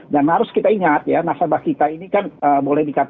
dan harus kita ingat ya nasabah kita ini kan boleh dikonsumsi